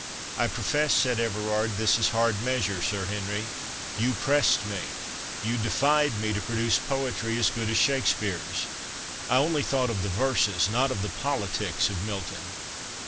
"I profess," said Everard, "this is hard measure, Sir Henry. You pressed me—you defied me, to produce poetry as good as Shakspeare's. I only thought of the verses, not of the politics of Milton."